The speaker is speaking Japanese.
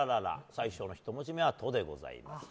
最初の１文字目は「と」でございます。